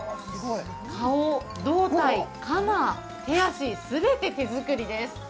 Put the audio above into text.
顔、胴体、鎌、手足、全て手作りです。